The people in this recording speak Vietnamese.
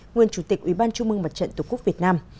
nguyên chủ tịch ủy ban trung mương mặt trận tổ quốc việt nam